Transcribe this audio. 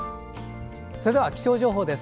それでは気象情報です。